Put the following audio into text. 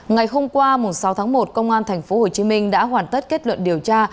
ngày hôm qua sáu tháng một công an tp hcm đã hoàn tất kết luận điều tra